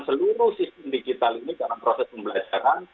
seluruh sistem digital ini dalam proses pembelajaran